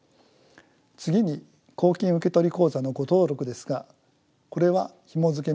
次に公金受取口座の誤登録ですがこれはひもづけミスの問題です。